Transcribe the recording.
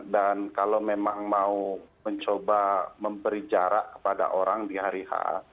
dan kalau memang mau mencoba memberi jarak kepada orang di hari h